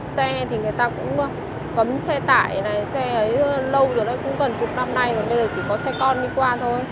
xe thì người ta cũng cấm xe tải này xe ấy lâu rồi nó cũng cần chụp năm nay bây giờ chỉ có xe con đi qua thôi